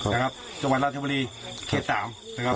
นะครับจับวันราธิบรีเคส๓บ้านเรา